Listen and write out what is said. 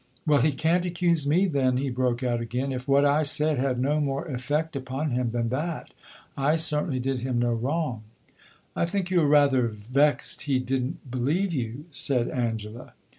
"Well, he can't accuse me, then!" he broke out again. "If what I said had no more effect upon him than that, I certainly did him no wrong." "I think you are rather vexed he did n't believe you," said Angela.